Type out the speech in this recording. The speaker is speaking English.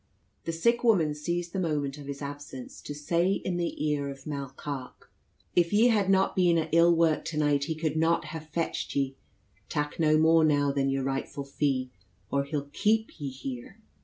The sick woman seized the moment of his absence to say in the ear of Mall Carke: "If ye had not been at ill work tonight, he could not hev fetched ye. Tak no more now than your rightful fee, or he'll keep ye here."